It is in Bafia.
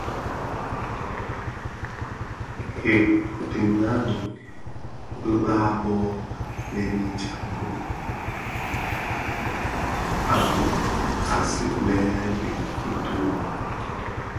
Hei dhi ňannë uba bo: lènii djambhog ňanèn u sigmèn di kituri,